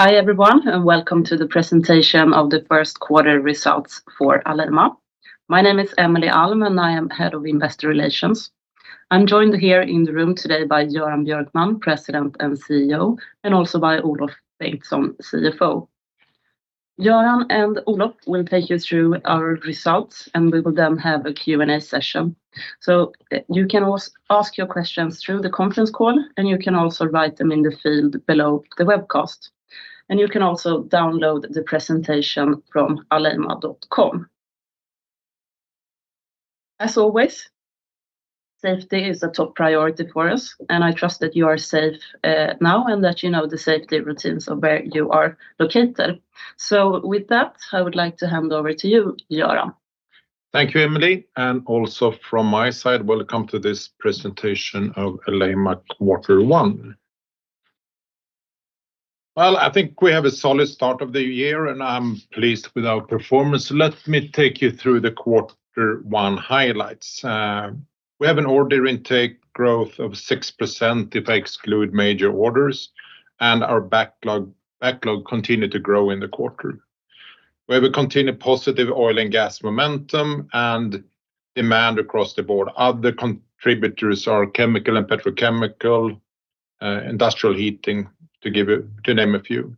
Hi, everyone, and welcome to the presentation of the first quarter results for Alleima. My name is Emelie Alm, and I am Head of Investor Relations. I'm joined here in the room today by Göran Björkman, President and CEO, and also by Olof Bengtsson, CFO. Göran and Olof will take you through our results, and we will then have a Q&A session. You can ask your questions through the conference call, and you can also write them in the field below the webcast. You can also download the presentation from alleima.com. As always, safety is a top priority for us, and I trust that you are safe now and that you know the safety routines of where you are located. With that, I would like to hand over to you, Göran. Also from my side, welcome to this presentation of Alleima quarter one. Well, I think we have a solid start of the year, and I'm pleased with our performance. Let me take you through the quarter one highlights. We have an order intake growth of 6% if I exclude major orders, and our backlog continued to grow in the quarter. We have a continued positive oil and gas momentum and demand across the board. Other contributors are chemical and petrochemical, industrial heating, to name a few.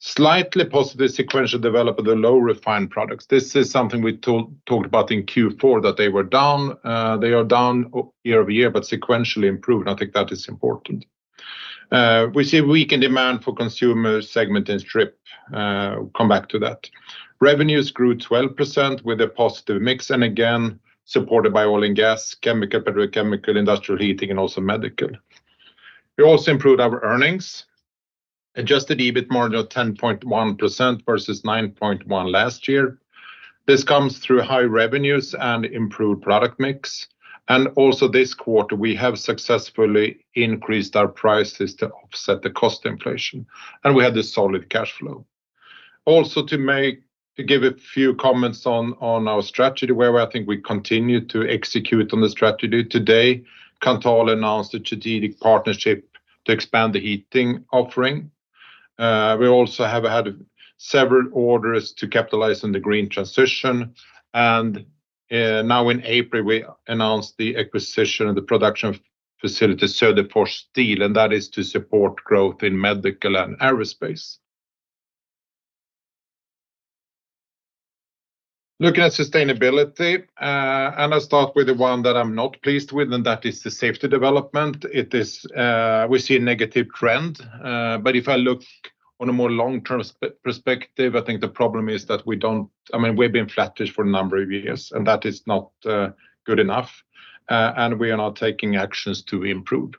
Slightly positive sequential develop of the low refined products. This is something we talked about in Q4, that they were down. They are down year-over-year, but sequentially improved. I think that is important. We see weakened demand for consumer segment and Strip. Come back to that. Revenues grew 12% with a positive mix and again supported by oil and gas, chemical, petrochemical, industrial heating, and also medical. We also improved our earnings. Adjusted EBIT margin of 10.1% versus 9.1% last year. This comes through high revenues and improved product mix. Also this quarter, we have successfully increased our prices to offset the cost inflation, and we had the solid cash flow. Also to give a few comments on our strategy, where I think we continue to execute on the strategy. Today, Kanthal announced a strategic partnership to expand the heating offering. We also have had several orders to capitalize on the green transition. Now in April, we announced the acquisition of the production facility, Söderfors Steel, and that is to support growth in medical and aerospace. Looking at sustainability, I start with the one that I'm not pleased with, and that is the safety development. It is, we see a negative trend, if I look on a more long-term perspective, I think the problem is that we don't. I mean, we've been flattish for a number of years, and that is not good enough. We are now taking actions to improve.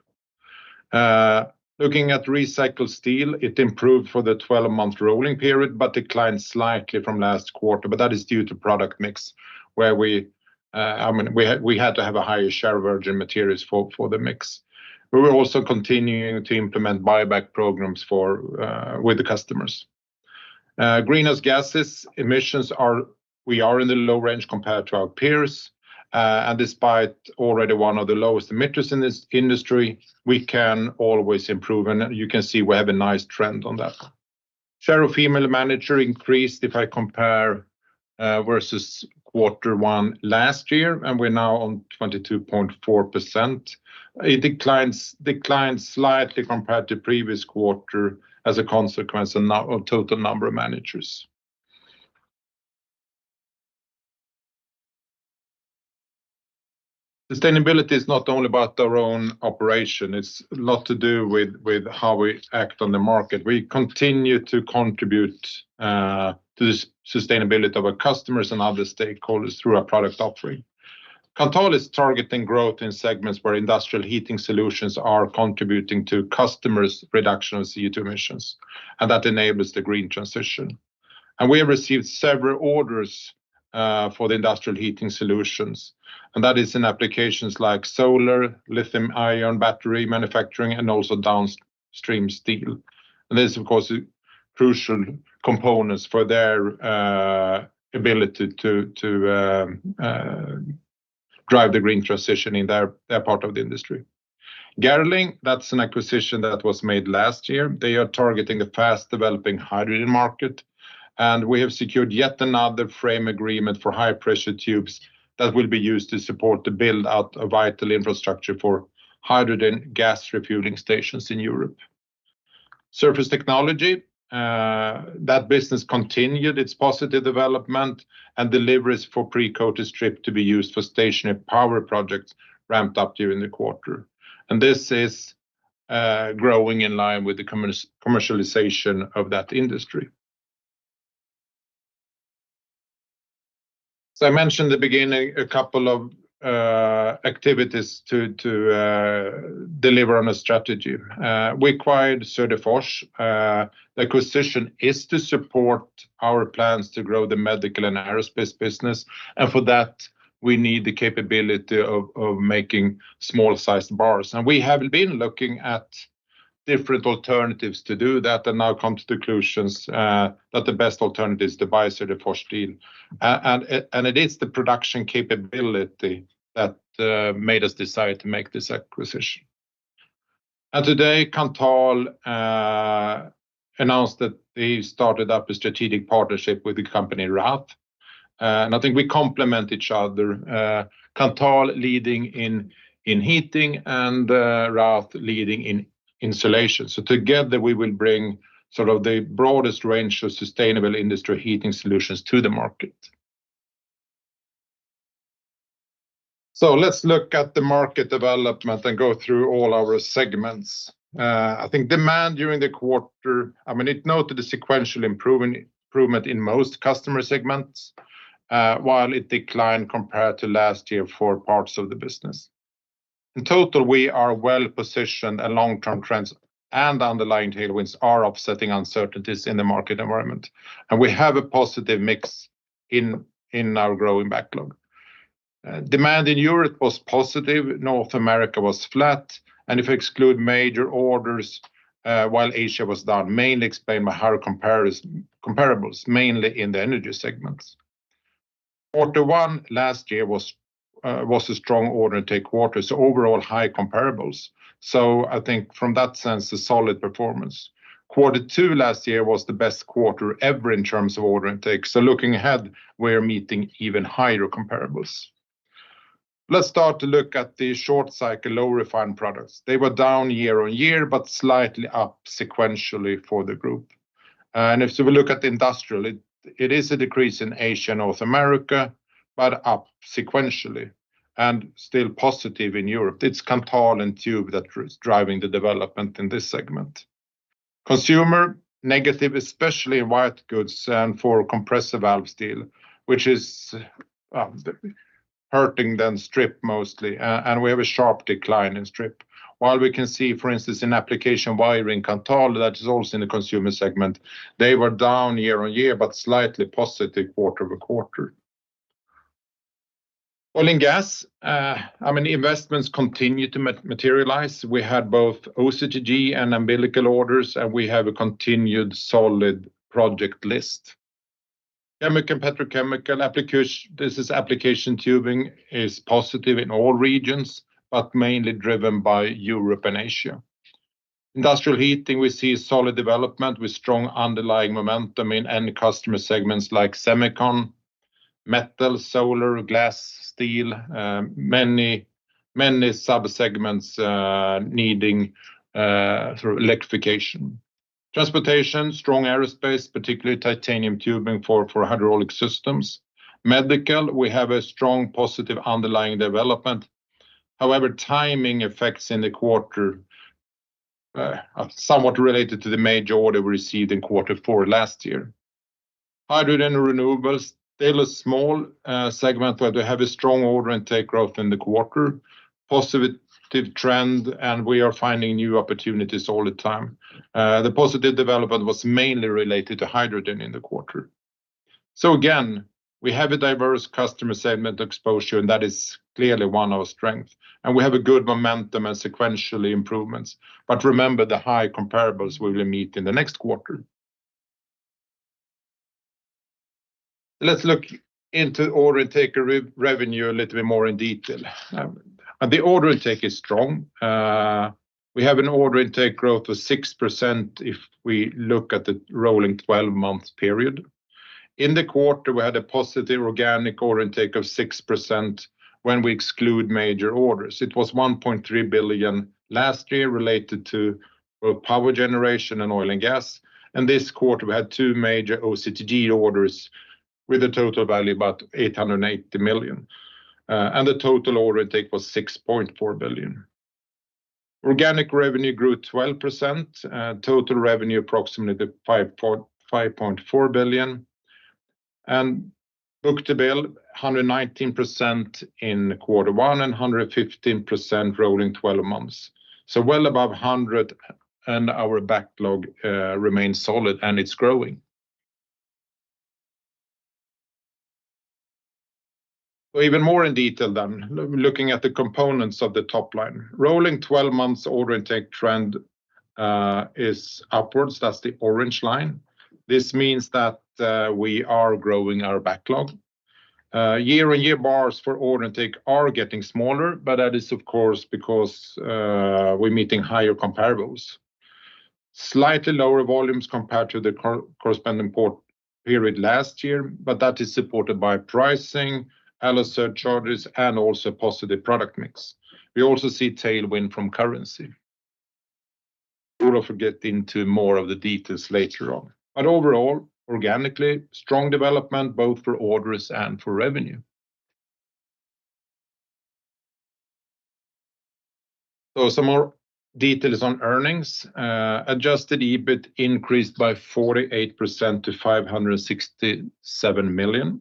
Looking at recycled steel, it improved for the 12-month rolling period but declined slightly from last quarter. That is due to product mix, where we, I mean, we had to have a higher share of virgin materials for the mix. We were also continuing to implement buyback programs for, with the customers. Greenhouse gases emissions are, we are in the low range compared to our peers. Despite already one of the lowest emitters in this industry, we can always improve. You can see we have a nice trend on that. Share of female manager increased if I compare versus quarter one last year, we're now on 22.4%. It declines slightly compared to previous quarter as a consequence of total number of managers. Sustainability is not only about our own operation. It's a lot to do with how we act on the market. We continue to contribute to the sustainability of our customers and other stakeholders through our product offering. Kanthal is targeting growth in segments where industrial heating solutions are contributing to customers' reduction of CO2 emissions, that enables the green transition. We have received several orders for the industrial heating solutions, and that is in applications like solar, lithium-ion, battery manufacturing, and also downstream steel. This, of course, crucial components for their ability to drive the green transition in their part of the industry. Gerling, that's an acquisition that was made last year. They are targeting the fast-developing hydrogen market, and we have secured yet another frame agreement for high-pressure tubes that will be used to support the build-out of vital infrastructure for hydrogen gas refueling stations in Europe. Surface technology, that business continued its positive development, and deliveries for pre-coated strip to be used for stationary power projects ramped up during the quarter. This is growing in line with the commercialization of that industry. I mentioned the beginning a couple of activities to deliver on a strategy. We acquired Söderfors. The acquisition is to support our plans to grow the medical and aerospace business. For that, we need the capability of making small-sized bars. We have been looking at different alternatives to do that and now come to conclusions that the best alternative is to buy Söderfors Steel. It is the production capability that made us decide to make this acquisition. Today, Kanthal announced that they started up a strategic partnership with the company Rath. I think we complement each other. Kanthal leading in heating and Rath leading in insulation. Together we will bring sort of the broadest range of sustainable industry heating solutions to the market. Let's look at the market development and go through all our segments. I think demand during the quarter, I mean, it noted a sequential improvement in most customer segments, while it declined compared to last year for parts of the business. In total, we are well-positioned and long-term trends and underlying tailwinds are offsetting uncertainties in the market environment. We have a positive mix in our growing backlog. Demand in Europe was positive, North America was flat, and if you exclude major orders, while Asia was down, mainly explained by higher comparables, mainly in the energy segments. Quarter one last year was a strong order intake quarter, so overall high comparables. I think from that sense, a solid performance. Quarter two last year was the best quarter ever in terms of order intake. Looking ahead, we're meeting even higher comparables. Let's start to look at the short-cycle, low-refined products. They were down year-on-year, but slightly up sequentially for the group. If we look at industrial, it is a decrease in Asia, North America, but up sequentially and still positive in Europe. It's Kanthal and Tube that is driving the development in this segment. Consumer, negative, especially in white goods and for compressor valve steel, which is hurting then Strip mostly, and we have a sharp decline in Strip. While we can see, for instance, in application wiring Kanthal, that is also in the consumer segment, they were down year-on-year, but slightly positive quarter-over-quarter. Oil and gas, I mean, investments continue to materialize. We had both OCTG and umbilical orders, and we have a continued solid project list. Chemical and petrochemical application tubing is positive in all regions, but mainly driven by Europe and Asia. Industrial heating, we see solid development with strong underlying momentum in end customer segments like semicon, metal, solar, glass, steel, many sub-segments needing sort of electrification. Transportation, strong aerospace, particularly titanium tubing for hydraulic systems. Medical, we have a strong positive underlying development. However, timing effects in the quarter are somewhat related to the major order we received in quarter four last year. Hydrogen and renewables, still a small segment, but we have a strong order intake growth in the quarter, positive trend, and we are finding new opportunities all the time. The positive development was mainly related to hydrogen in the quarter. Again, we have a diverse customer segment exposure, and that is clearly one of our strengths. We have a good momentum and sequentially improvements. Remember, the high comparables we will meet in the next quarter. Let's look into order intake and revenue a little bit more in detail. The order intake is strong. We have an order intake growth of 6% if we look at the rolling 12-month period. In the quarter, we had a positive organic order intake of 6% when we exclude major orders. It was 1.3 billion last year related to, well, power generation and oil and gas. This quarter, we had two major OCTG orders with a total value about 880 million. The total order intake was 6.4 billion. Organic revenue grew 12%. Total revenue approximately 5.4 billion. And book-to-bill 119% in quarter one and 115% rolling 12 months. Well above 100, and our backlog remains solid, and it's growing. Even more in detail, looking at the components of the top line. Rolling 12 months order intake trend is upwards. That's the orange line. This means that we are growing our backlog. Year-on-year bars for order intake are getting smaller, but that is of course because we're meeting higher comparables. Slightly lower volumes compared to the corresponding port period last year, but that is supported by pricing, ASC charges, and also positive product mix. We also see tailwind from currency. We'll also get into more of the details later on. Overall, organically, strong development both for orders and for revenue. Some more details on earnings. Adjusted EBIT increased by 48% to 567 million.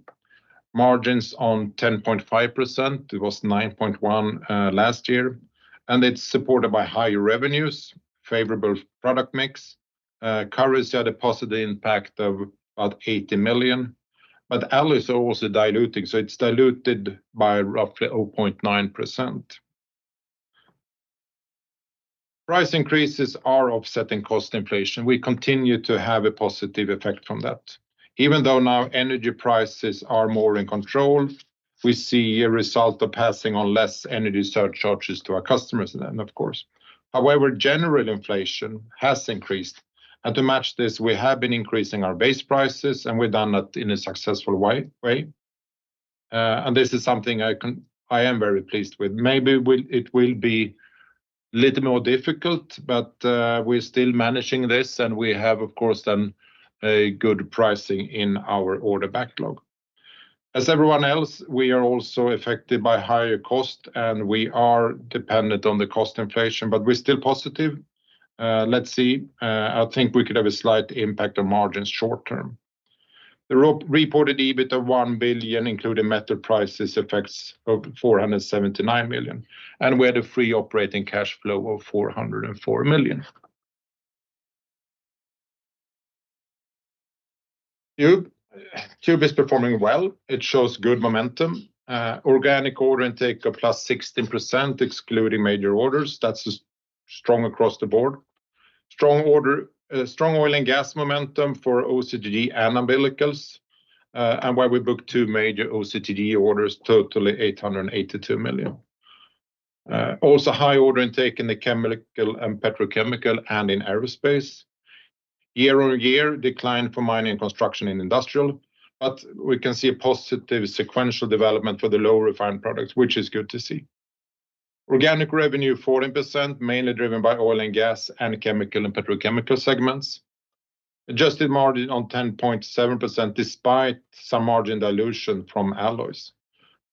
Margins on 10.5%. It was 9.1% last year. It's supported by higher revenues, favorable product mix. Currency had a positive impact of about 80 million. ALLEI also diluting, so it's diluted by roughly 0.9%. Price increases are offsetting cost inflation. We continue to have a positive effect from that. Even though now energy prices are more in control. We see a result of passing on less energy surcharges to our customers then, of course. However, general inflation has increased. To match this, we have been increasing our base prices, and we've done that in a successful way. This is something I am very pleased with. Maybe it will be little more difficult, but we're still managing this, and we have, of course, then a good pricing in our order backlog. As everyone else, we are also affected by higher cost, and we are dependent on the cost inflation, but we're still positive. Let's see. I think we could have a slight impact on margins short term. The reported EBITDA 1 billion, including metal prices effects of 479 million, and we had a free operating cash flow of 404 million. Tube. Tube is performing well. It shows good momentum. Organic order intake of +16%, excluding major orders. That is strong across the board. Strong oil and gas momentum for OCTG and umbilicals, and where we booked two major OCTG orders, totally 882 million. Also high order intake in the chemical and petrochemical and in aerospace. Year-over-year decline for mining, construction, and industrial, we can see a positive sequential development for the lower refined products, which is good to see. Organic revenue, 14%, mainly driven by oil and gas and chemical and petrochemical segments. Adjusted margin on 10.7% despite some margin dilution from alloys.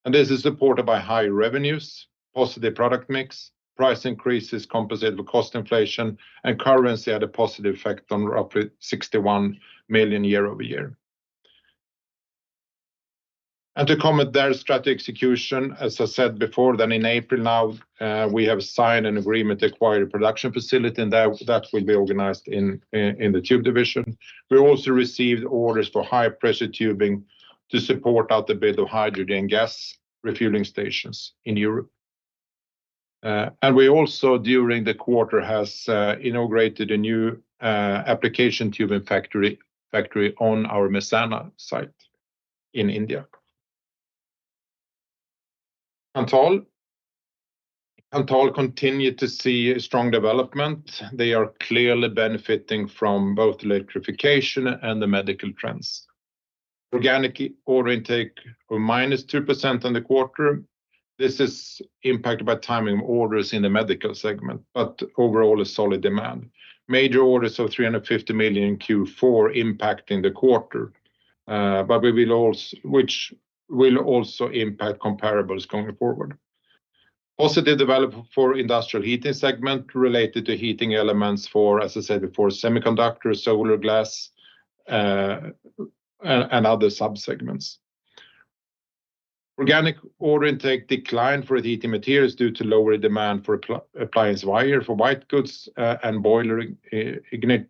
This is supported by high revenues, positive product mix, price increases compensate for cost inflation, and currency had a positive effect on roughly 61 million year-over-year. To comment there, strategy execution, as I said before, in April now, we have signed an agreement to acquire a production facility, and that will be organized in the Tube division. We also received orders for high-pressure tubing to support out the build of hydrogen gas refueling stations in Europe. We also during the quarter has inaugurated a new application tubing factory on our Mehsana site in India. Kanthal.Kanthal continued to see a strong development. They are clearly benefiting from both electrification and the medical trends. Organic order intake of minus 2% in the quarter. This is impacted by timing of orders in the medical segment, but overall a solid demand. Major orders of 350 million in Q4 impacting the quarter, but which will also impact comparables going forward. Positive development for industrial heating segment related to heating elements for, as I said before, semiconductors, solar glass, and other subsegments. Organic order intake declined for heating materials due to lower demand for appliance wire for white goods, and boiler ignitors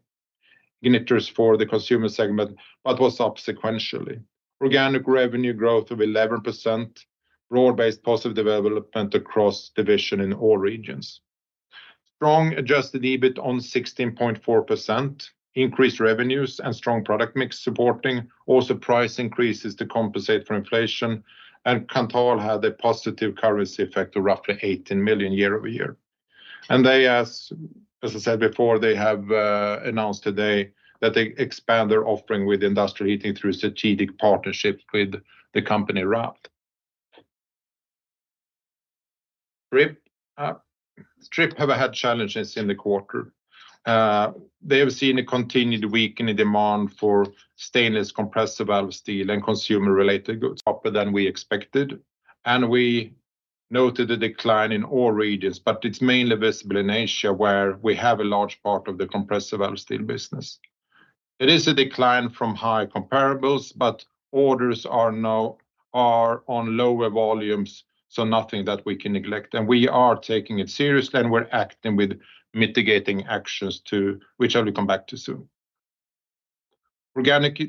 for the consumer segment, but was up sequentially. Organic revenue growth of 11%, raw-based positive development across division in all regions. Strong adjusted EBIT on 16.4%, increased revenues, and strong product mix supporting. Also, price increases to compensate for inflation. Kanthal had a positive currency effect of roughly 18 million year-over-year. They, as I said before, they have announced today that they expand their offering with industrial heating through a strategic partnership with the company Rath. Strip have had challenges in the quarter. They have seen a continued weakening demand for stainless compressor steel and consumer-related goods, upper than we expected. We noted a decline in all regions, but it's mainly visible in Asia, where we have a large part of the compressor steel business. It is a decline from high comparables. Orders are now on lower volumes, nothing that we can neglect. We are taking it seriously, and we're acting with mitigating actions to which I will come back to soon. Organic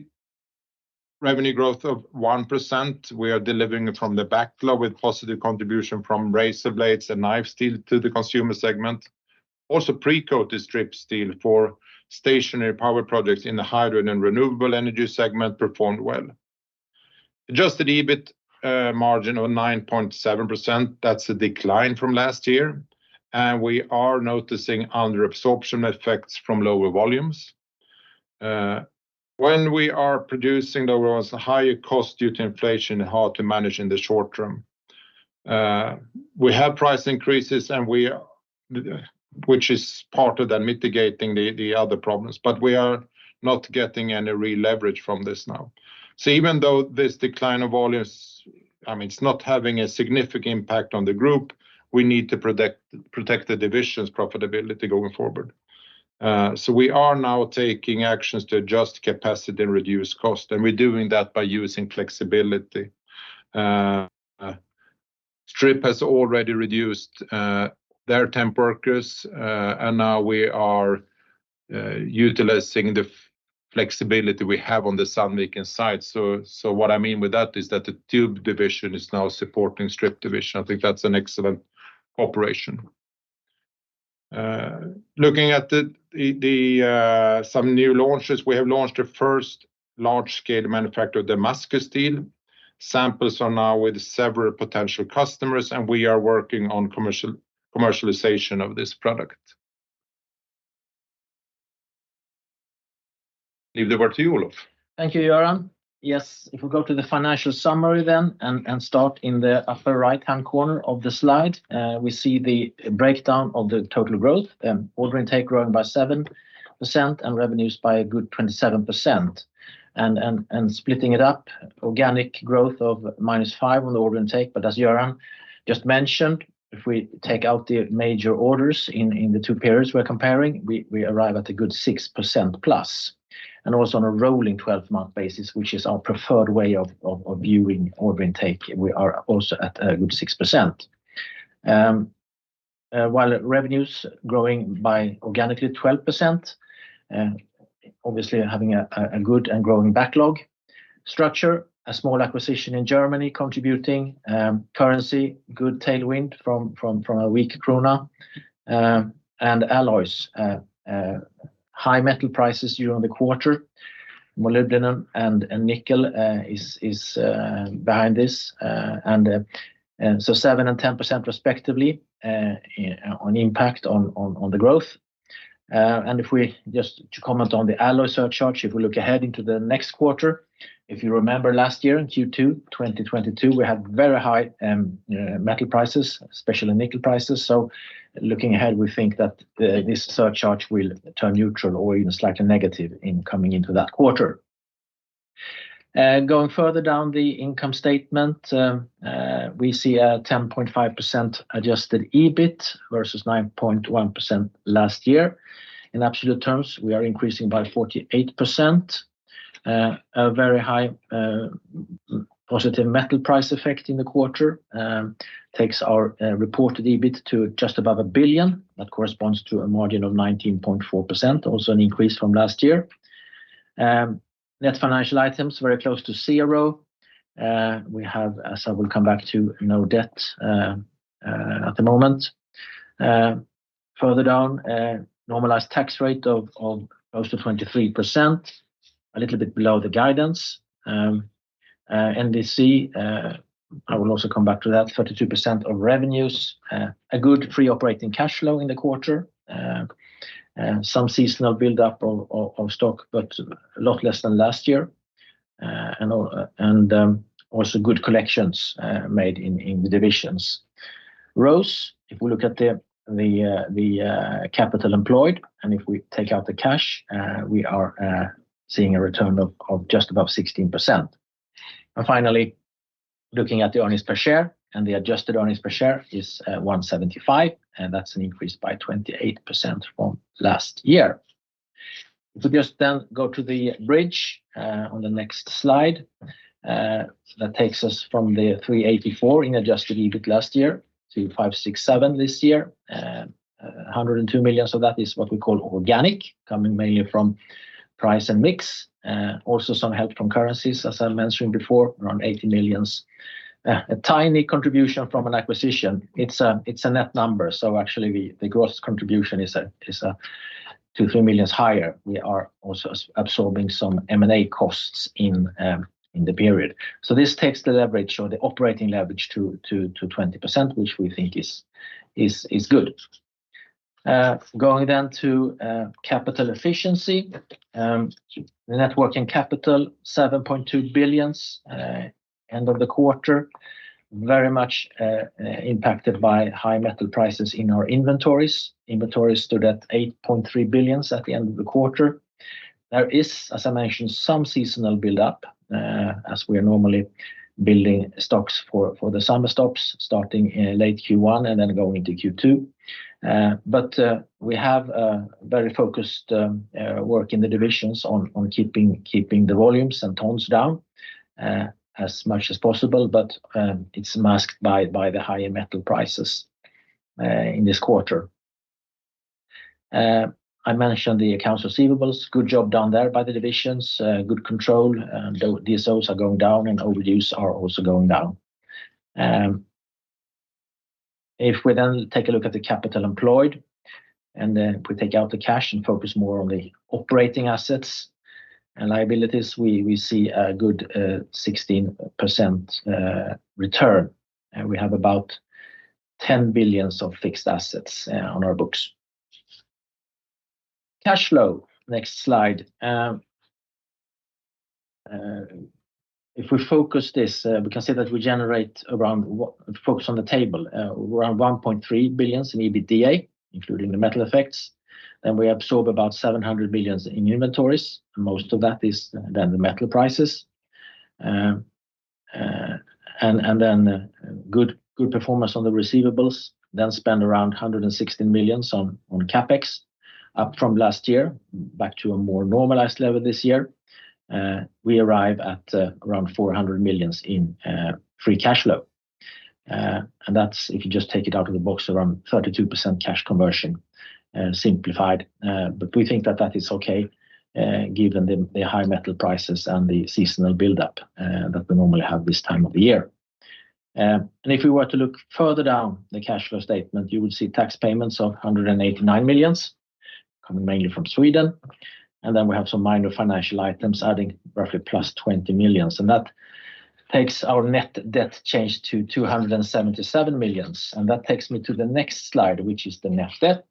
revenue growth of 1%, we are delivering from the backlog with positive contribution from razor blades and knife steel to the consumer segment. Also, pre-coated strip steel for stationary power projects in the hydrogen and renewable energy segment performed well. Adjusted EBIT margin of 9.7%, that's a decline from last year. We are noticing underabsorption effects from lower volumes. When we are producing, there was a higher cost due to inflation, hard to manage in the short term. We have price increases, which is part of that mitigating the other problems. We are not getting any real leverage from this now. Even though this decline of volumes, I mean, it's not having a significant impact on the group, we need to protect the division's profitability going forward. We are now taking actions to adjust capacity and reduce cost, and we're doing that by using flexibility. Strip has already reduced their temp workers, and now we are utilizing the flexibility we have on the Sandviken side. What I mean with that is that the Tube division is now supporting Strip division. I think that's an excellent cooperation. Looking at some new launches, we have launched the first large-scale manufacture of Damascus steel. Samples are now with several potential customers, and we are working on commercialization of this product. Leave it over to you, Olof. Thank you, Göran. If we go to the financial summary then and start in the upper right-hand corner of the slide, we see the breakdown of the total growth. Order intake growing by 7% and revenues by a good 27%. Splitting it up, organic growth of -5% on the order intake. As Göran just mentioned, if we take out the major orders in the two periods we're comparing, we arrive at a good 6%+. Also on a rolling 12-month basis, which is our preferred way of viewing order intake, we are also at a good 6%. While revenues growing by organically 12%, obviously having a good and growing backlog structure, a small acquisition in Germany contributing, currency, good tailwind from a weak krona, and alloys, high metal prices during the quarter, molybdenum and nickel, is behind this, and so 7% and 10% respectively, on impact on the growth. If we just to comment on the alloy surcharge, if we look ahead into the next quarter, if you remember last year in Q2 2022, we had very high metal prices, especially nickel prices. Looking ahead, we think that this surcharge will turn neutral or even slightly negative in coming into that quarter. Going further down the income statement, we see a 10.5% adjusted EBIT versus 9.1% last year. In absolute terms, we are increasing by 48%. A very high positive metal price effect in the quarter takes our reported EBIT to just above 1 billion. That corresponds to a margin of 19.4%, also an increase from last year. Net financial items very close to zero. We have, as I will come back to, no debt at the moment. Further down, normalized tax rate of close to 23%, a little bit below the guidance. NWC, I will also come back to that, 32% of revenues. A good free operating cash flow in the quarter. Some seasonal buildup of stock, but a lot less than last year. Also good collections made in the divisions. ROCE, if we look at the capital employed, and if we take out the cash, we are seeing a return of just above 16%. Finally, looking at the earnings per share, and the adjusted earnings per share is 1.75, and that's an increase by 28% from last year. We just go to the bridge on the next slide, that takes us from the 384 million in adjusted EBIT last year to 567 million this year. 102 million, that is what we call organic, coming mainly from price and mix. Also some help from currencies, as I mentioned before, around 80 million. A tiny contribution from an acquisition. It's a net number, actually the gross contribution is a 2 million-3 million higher. We are also absorbing some M&A costs in the period. This takes the leverage or the operating leverage to 20%, which we think is good. Going down to capital efficiency, the Net Working Capital, 7.2 billion, end of the quarter, very much impacted by high metal prices in our inventories. Inventories stood at 8.3 billion at the end of the quarter. There is, as I mentioned, some seasonal buildup, as we are normally building stocks for the summer stops, starting in late Q1 and then going into Q2. We have very focused work in the divisions on keeping the volumes and tones down as much as possible, it's masked by the higher metal prices in this quarter. I mentioned the accounts receivables, good job done there by the divisions, good control. DSOs are going down and overdues are also going down. If we take a look at the capital employed, if we take out the cash and focus more on the operating assets and liabilities, we see a good 16% return. We have about 10 billion of fixed assets on our books. Cash flow, next slide. If we focus this, we can see that we generate around, focus on the table, around 1.3 billion in EBITDA, including the metal effects. We absorb about 700 billion in inventories, and most of that is then the metal prices. Good performance on the receivables, then spend around 116 million on CapEx, up from last year, back to a more normalized level this year. We arrive at around 400 million in free cash flow. That's, if you just take it out of the box, around 32% cash conversion, simplified. We think that that is okay, given the high metal prices and the seasonal buildup that we normally have this time of the year. If we were to look further down the cash flow statement, you would see tax payments of 189 million coming mainly from Sweden. We have some minor financial items adding roughly +20 million. That takes our net debt change to 277 million. That takes me to the next slide, which is the net debt.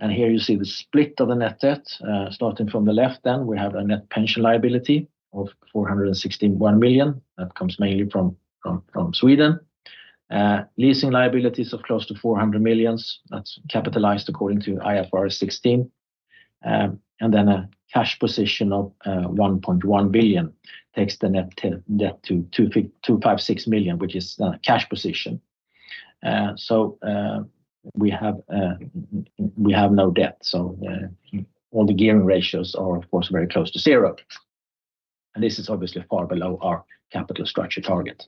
Here you see the split of the net debt, starting from the left then we have a net pension liability of 461 million that comes mainly from Sweden. Leasing liabilities of close to 400 million, that's capitalized according to IFRS 16. A cash position of 1.1 billion takes the net to 256 million, which is cash position. We have no debt. All the gearing ratios are of course very close to zero, and this is obviously far below our capital structure target.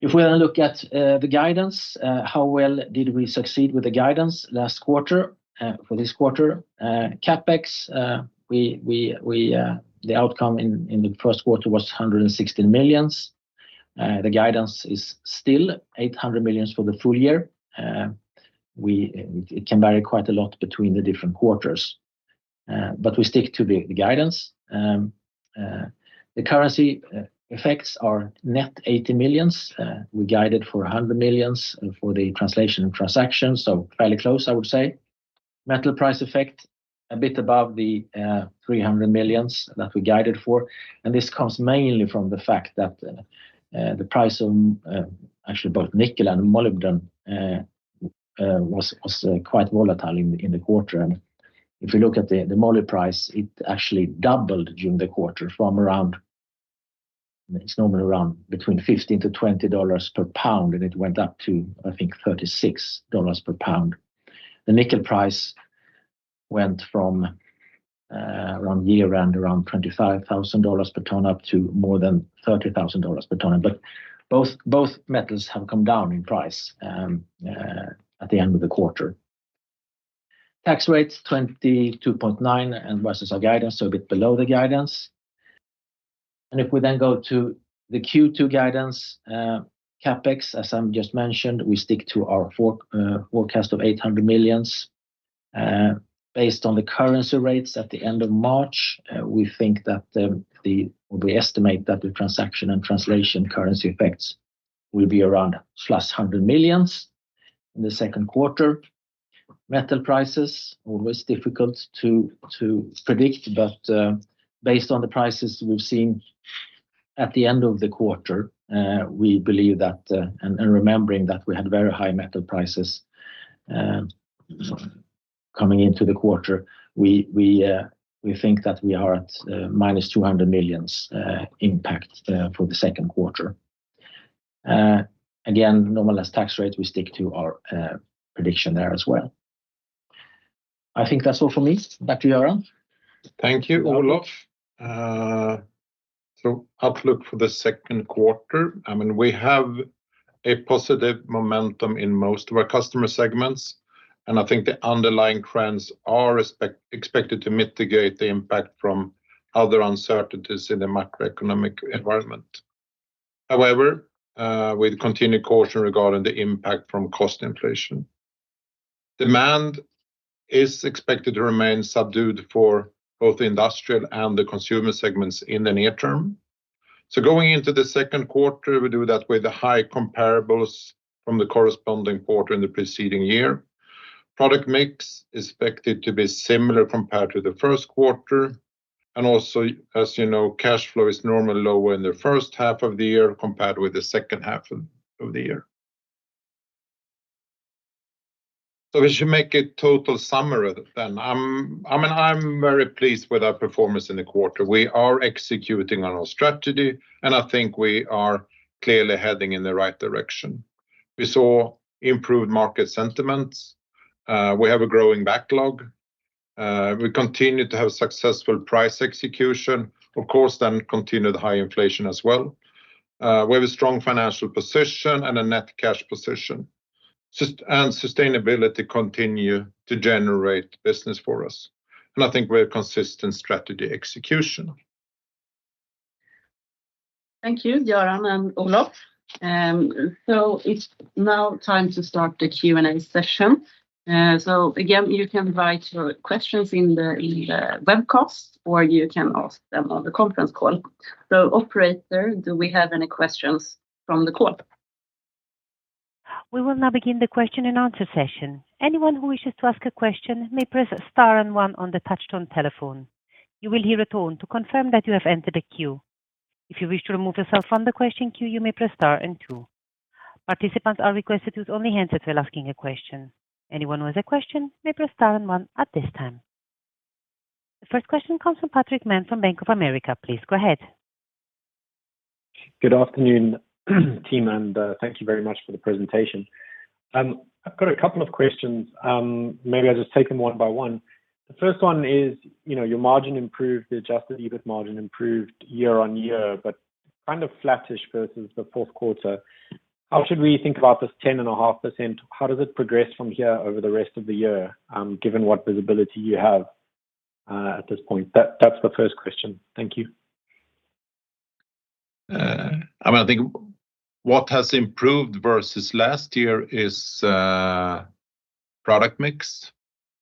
The guidance, how well did we succeed with the guidance last quarter for this quarter? CapEx, the outcome in the first quarter was 116 million. The guidance is still 800 million for the full year. It can vary quite a lot between the different quarters, but we stick to the guidance. The currency effects are net 80 million. We guided for 100 million for the translation and transaction, fairly close, I would say. Metal price effect a bit above the 300 million that we guided for. This comes mainly from the fact that actually both nickel and molybdenum was quite volatile in the quarter. If you look at the moly price, it actually doubled during the quarter. It's normally around between $15-$20 per pound, and it went up to, I think, $36 per pound. The nickel price went from around $25,000 per ton, up to more than $30,000 per ton. Both metals have come down in price at the end of the quarter. Tax rates, 22.9 versus our guidance, a bit below the guidance. If we go to the Q2 guidance, CapEx, as I just mentioned, we stick to our forecast of 800 million, based on the currency rates at the end of March. We think that we estimate that the transaction and translation currency effects will be around plus 100 million in the second quarter. Metal prices, always difficult to predict, but based on the prices we've seen at the end of the quarter, we believe that remembering that we had very high metal prices coming into the quarter, we think that we are at -200 million impact for the second quarter. Again, normalized tax rate, we stick to our prediction there as well. I think that's all from me. Back to you, Göran. Thank you, Olof. Outlook for the second quarter. I mean, we have a positive momentum in most of our customer segments, and I think the underlying trends are expected to mitigate the impact from other uncertainties in the macroeconomic environment. However, with continued caution regarding the impact from cost inflation, demand is expected to remain subdued for both the industrial and the consumer segments in the near term. Going into the second quarter, we do that with the high comparables from the corresponding quarter in the preceding year. Product mix expected to be similar compared to the first quarter. Also, as you know, cash flow is normally lower in the first half of the year compared with the second half of the year. We should make a total summary then. I mean, I'm very pleased with our performance in the quarter. We are executing on our strategy, and I think we are clearly heading in the right direction. We saw improved market sentiments. We have a growing backlog. We continue to have successful price execution. Of course, then continued high inflation as well. We have a strong financial position and a net cash position. Sustainability continue to generate business for us. I think we have consistent strategy execution. Thank you, Göran and Olof. It's now time to start the Q&A session. Again, you can write your questions in the, in the webcast, or you can ask them on the conference call. Operator, do we have any questions from the call? We will now begin the question-and-answer session. Anyone who wishes to ask a question may press star one on the touch-tone telephone. You will hear a tone to confirm that you have entered a queue. If you wish to remove yourself from the question queue, you may press star two. Participants are requested to use only hands if you're asking a question. Anyone who has a question may press star one at this time. The first question comes from Patrick Mann from Bank of America. Please go ahead. Good afternoon team, and thank you very much for the presentation. I've got a couple of questions. Maybe I'll just take them one by one. The first one is, you know, your margin improved, the adjusted EBIT margin improved year-on-year, but kind of flattish versus the fourth quarter. How should we think about this 10.5%? How does it progress from here over the rest of the year, given what visibility you have at this point? That's the first question. Thank you. I mean, I think what has improved versus last year is product mix,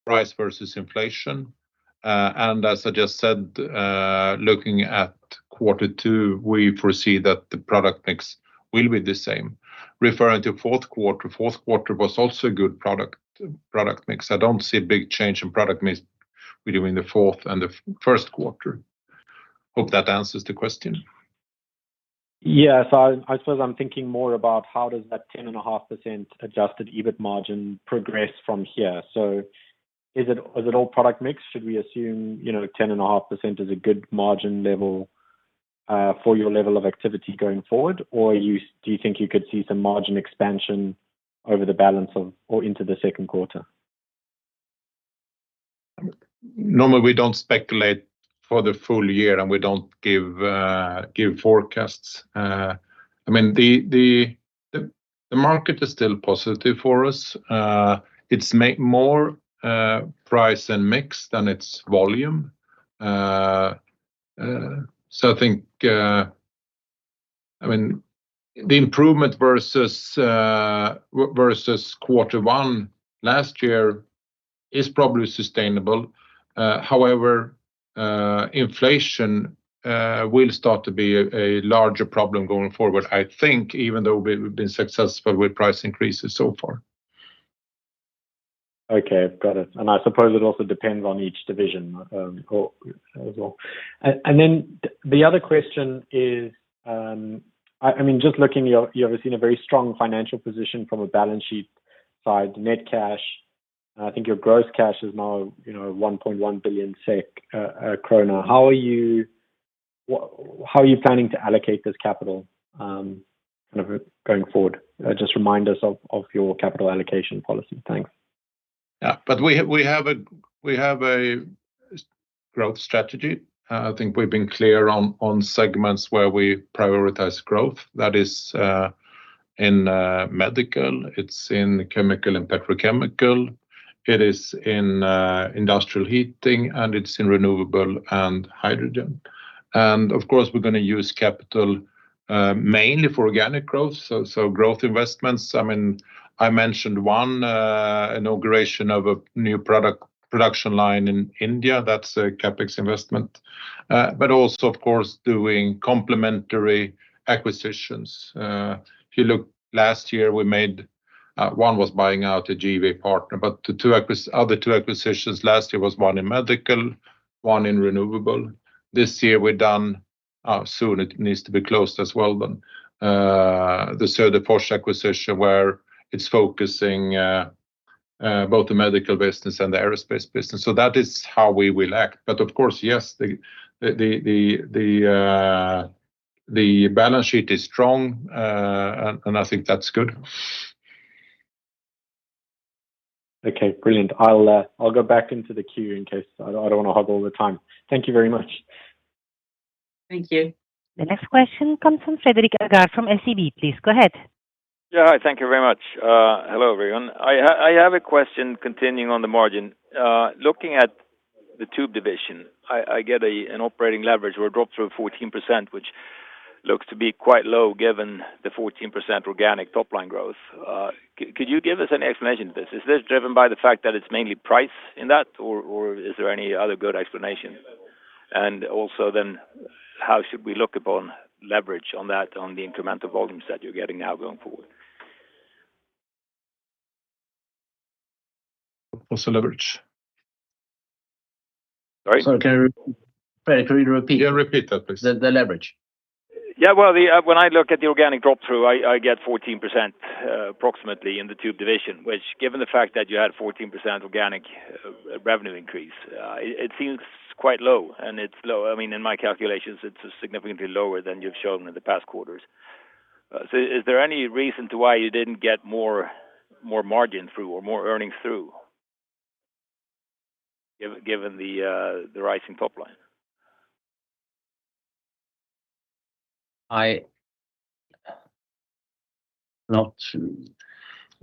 price versus inflation. As I just said, looking at quarter two, we foresee that the product mix will be the same. Referring to fourth quarter, fourth quarter was also good product mix. I don't see a big change in product mix between the fourth and the first quarter. Hope that answers the question. Yes. I suppose I'm thinking more about how does that 10.5% adjusted EBIT margin progress from here. Is it, is it all product mix? Should we assume, you know, 10.5% is a good margin level for your level of activity going forward? Or do you think you could see some margin expansion over the balance of or into the second quarter? Normally, we don't speculate for the full year, we don't give forecasts. I mean, the market is still positive for us. It's more price and mix than it's volume. I think, I mean, the improvement versus quarter one last year is probably sustainable. However, inflation will start to be a larger problem going forward, I think, even though we've been successful with price increases so far. Okay. Got it. I suppose it also depends on each division, or as well. Then the other question is, I mean, just looking, you obviously in a very strong financial position from a balance sheet side, net cash. I think your gross cash is now, you know, 1.1 billion SEK. How are you planning to allocate this capital, kind of going forward? Just remind us of your capital allocation policy. Thanks. We have a growth strategy. I think we've been clear on segments where we prioritize growth. That is in medical, it's in chemical and petrochemical, it is in industrial heating, and it's in renewable and hydrogen. Of course, we're gonna use capital mainly for organic growth, so growth investments. I mean, I mentioned one inauguration of a new production line in India. That's a CapEx investment. Also, of course, doing complementary acquisitions. If you look last year, one was buying out a JV partner, the two other two acquisitions last year was one in medical, one in renewable. This year, we're done. Soon it needs to be closed as well. The third, the Porsche acquisition, where it's focusing both the medical business and the aerospace business. That is how we will act. Of course, yes, the balance sheet is strong. I think that's good. Okay. Brilliant. I'll go back into the queue in case I don't wanna hog all the time. Thank you very much. Thank you. The next question comes from Fredrik Agardh from SEB. Please go ahead. Yeah. Thank you very much. Hello, everyone. I have a question continuing on the margin. Looking at the Tube division, I get an operating leverage or a drop through 14%, which looks to be quite low given the 14% organic top line growth. Could you give us an explanation to this? Is this driven by the fact that it's mainly price in that, or is there any other good explanation? Also, how should we look upon leverage on that, on the incremental volumes that you're getting now going forward? What's the leverage? Sorry? Sorry. Can you re- Fredrik, can you repeat? Yeah. Repeat that, please. The leverage. Yeah. Well, the, when I look at the organic drop-through, I get 14%, approximately in the Tube division, which given the fact that you had 14% organic, revenue increase, it seems quite low. I mean, in my calculations, it's significantly lower than you've shown in the past quarters. Is there any reason to why you didn't get more, more margin through or more earnings through given the rising top line? Not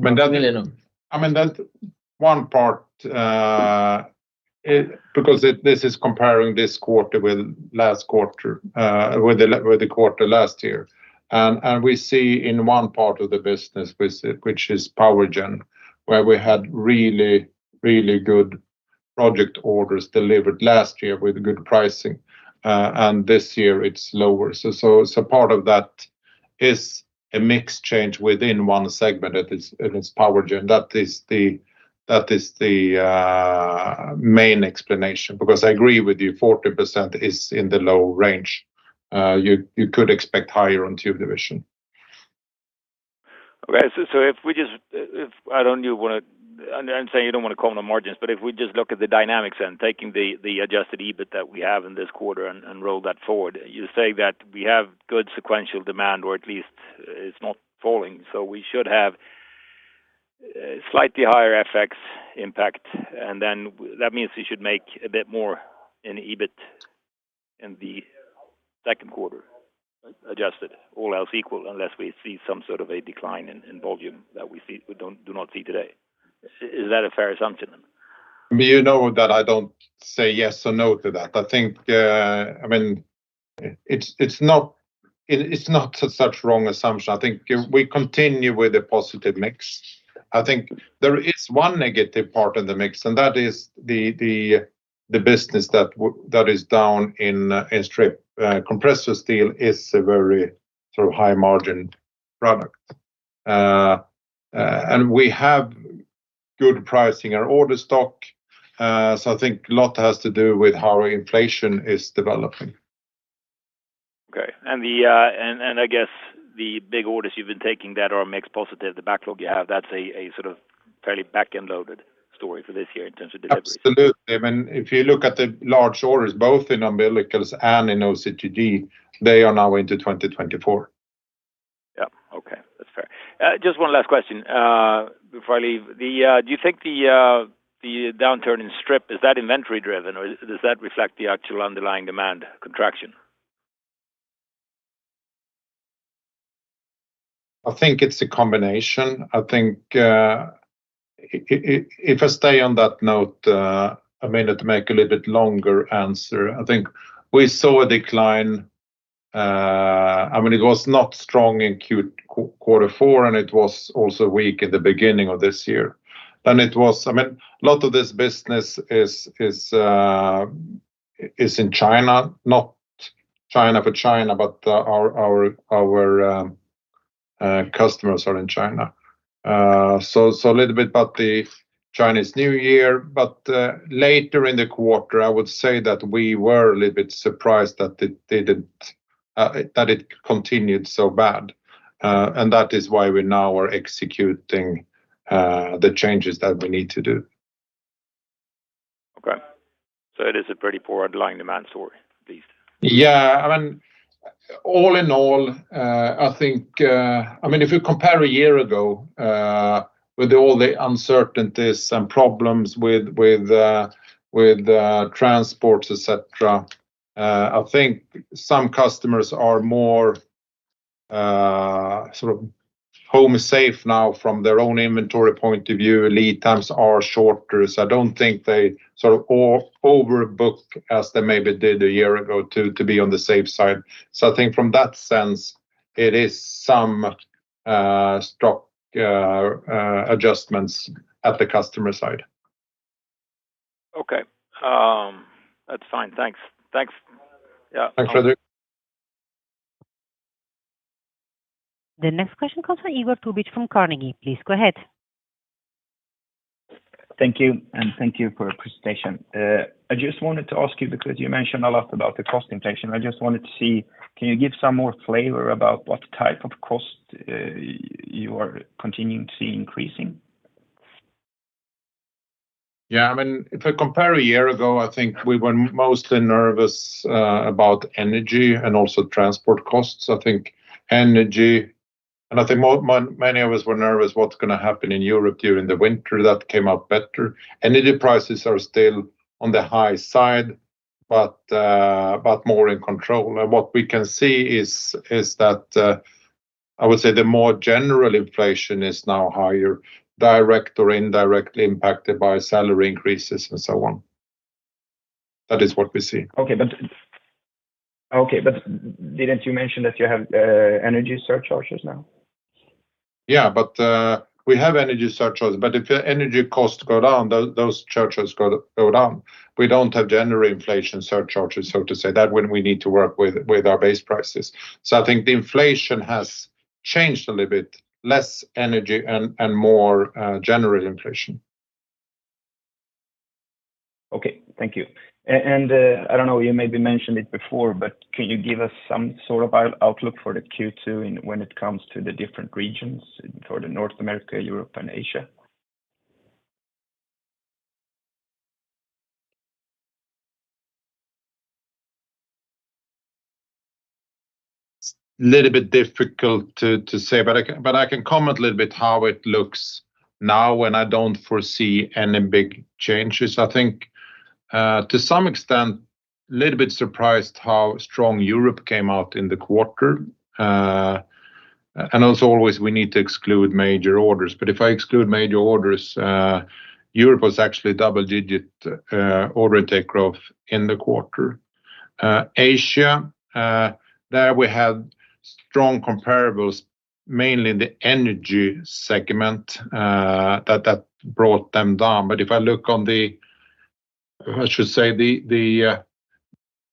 really, no. I mean, that one part, this is comparing this quarter with last quarter, with the quarter last year. We see in one part of the business, which is power gen, where we had really, really good project orders delivered last year with good pricing. This year it's lower. Part of that is a mix change within one segment. It is power gen. That is the main explanation because I agree with you, 14% is in the low range. You could expect higher on Tube division. Okay. If we just, I'm saying you don't wanna comment on margins, but if we just look at the dynamics and taking the adjusted EBIT that we have in this quarter and roll that forward, you say that we have good sequential demand, or at least it's not falling. We should have slightly higher FX impact. That means we should make a bit more in EBIT in the second quarter, adjusted all else equal, unless we see some sort of a decline in volume that we don't, do not see today. Is that a fair assumption? You know that I don't say yes or no to that. I think, I mean, it's not such wrong assumption. I think if we continue with the positive mix, I think there is one negative part in the mix, and that is the business that is down in Strip. Compressor steel is a very sort of high margined product. We have good pricing our order stock. I think a lot has to do with how inflation is developing. Okay. And the, and I guess the big orders you've been taking that are mix positive, the backlog you have, that's a sort of fairly backend loaded story for this year in terms of delivery. Absolutely. I mean, if you look at the large orders, both in umbilicals and in OCTG, they are now into 2024. Okay. That's fair. Just one last question before I leave. Do you think the downturn in Strip, is that inventory driven or does that reflect the actual underlying demand contraction? I think it's a combination. I think, if I stay on that note, I may not make a little bit longer answer. I think we saw a decline, I mean, it was not strong in quarter four, and it was also weak in the beginning of this year. I mean, a lot of this business is in China. Not China for China, but our customers are in China. A little bit about the Chinese New Year. Later in the quarter, I would say that we were a little bit surprised that it didn't that it continued so bad. That is why we now are executing the changes that we need to do. Okay. It is a pretty poor underlying demand story at least. Yeah. I mean, all in all, I think, I mean, if you compare a year ago, with all the uncertainties and problems with transports, et cetera, I think some customers are more sort of home safe now from their own inventory point of view. Lead times are shorter, so I don't think they sort of overbook as they maybe did a year ago to be on the safe side. I think from that sense, it is some stock adjustments at the customer side. Okay. that's fine. Thanks. Yeah. Thanks, Fredrik. The next question comes from Igor Tubic from Carnegie. Please go ahead. Thank you, and thank you for your presentation. I just wanted to ask you, because you mentioned a lot about the cost inflation. Can you give some more flavor about what type of cost you are continuing to see increasing? Yeah. I mean, if I compare a year ago, I think we were mostly nervous about energy and also transport costs. I think energy, and I think many of us were nervous what's gonna happen in Europe during the winter. That came out better. Energy prices are still on the high side, but more in control. What we can see is that, I would say the more general inflation is now higher, direct or indirectly impacted by salary increases and so on. That is what we see. Okay. Okay, but didn't you mention that you have energy surcharges now? Yeah. We have energy surcharges, but if the energy costs go down, those charges go down. We don't have general inflation surcharges, so to say. That wouldn't we need to work with our base prices. I think the inflation has changed a little bit. Less energy and more general inflation. Okay. Thank you. I don't know, you maybe mentioned it before, but can you give us some sort of outlook for the Q2 when it comes to the different regions for North America, Europe, and Asia? Little bit difficult to say, but I can comment a little bit how it looks now. I don't foresee any big changes. I think, to some extent, little bit surprised how strong Europe came out in the quarter. As always, we need to exclude major orders. If I exclude major orders, Europe was actually double-digit order take growth in the quarter. Asia, there we had strong comparables, mainly the energy segment, that brought them down. If I look on the, I should say the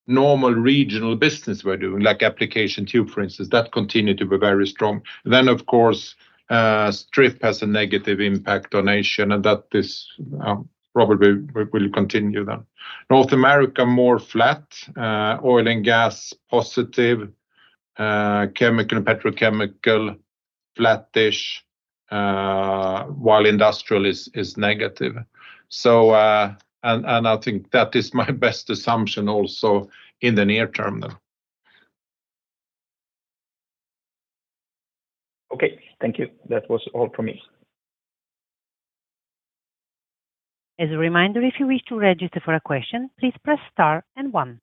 normal regional business we're doing, like application tube, for instance, that continued to be very strong. Of course, Strip has a negative impact on Asia, and that is probably will continue then. North America, more flat. Oil and gas, positive. Chemical and petrochemical, flattish. While industrial is negative. I think that is my best assumption also in the near term then. Okay, thank you. That was all from me. As a reminder, if you wish to register for a question, please press star and one.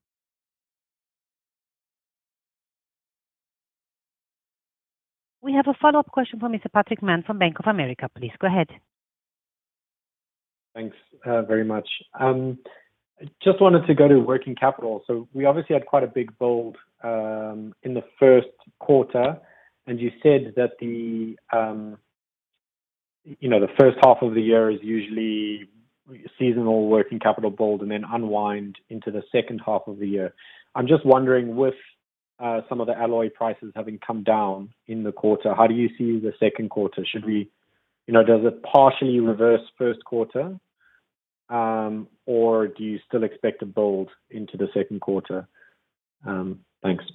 We have a follow-up question from Mr. Patrick Mann from Bank of America. Please go ahead. Thanks, very much. Just wanted to go to working capital. We obviously had quite a big build in the first quarter, and you said that the, you know, the first half of the year is usually seasonal working capital build and then unwind into the second half of the year. I'm just wondering, with some of the alloy prices having come down in the quarter, how do you see the second quarter? You know, does it partially reverse first quarter, or do you still expect to build into the second quarter? Thanks.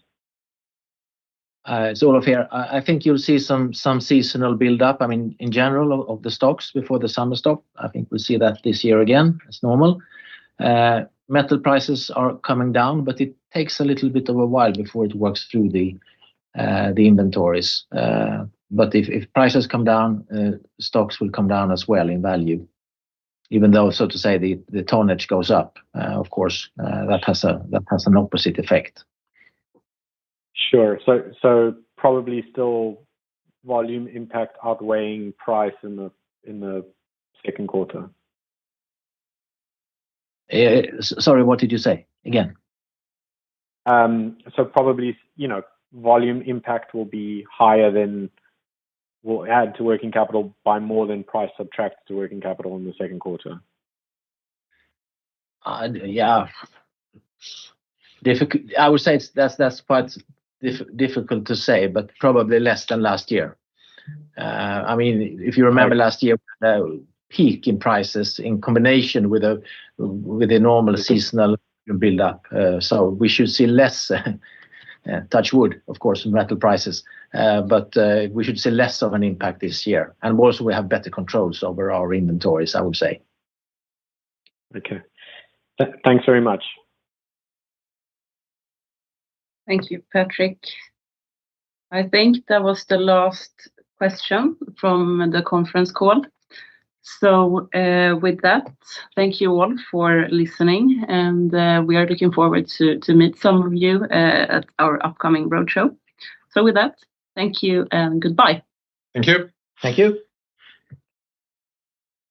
It's Olof here. I think you'll see some seasonal build-up, I mean, in general of the stocks before the summer stock. I think we'll see that this year again as normal. Metal prices are coming down, but it takes a little bit of a while before it works through the inventories. If prices come down, stocks will come down as well in value, even though, so to say, the tonnage goes up. Of course, that has an opposite effect. Sure. Probably still volume impact outweighing price in the second quarter? Sorry, what did you say? Again. Probably, you know, volume impact will be higher than will add to working capital by more than price subtracts to working capital in the second quarter. Yeah. I would say that's quite difficult to say, but probably less than last year. I mean, if you remember last year, the peak in prices in combination with a normal seasonal build-up. We should see less, touch wood, of course, in metal prices. We should see less of an impact this year. Also, we have better controls over our inventories, I would say. Okay. Thanks very much. Thank you, Patrick. I think that was the last question from the conference call. With that, thank you all for listening, and we are looking forward to meet some of you at our upcoming roadshow. With that, thank you and goodbye. Thank you. Thank you.